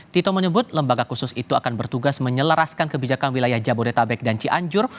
tito menyebut lembaga khusus itu akan bertugas menyelaraskan kebijakan wilayah jabodetabek dan cianjur